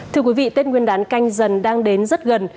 thưa quý vị tết nguyên đán canh dần đang đến rất gần